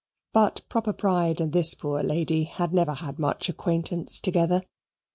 But proper pride and this poor lady had never had much acquaintance together.